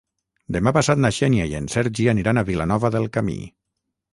Demà passat na Xènia i en Sergi aniran a Vilanova del Camí.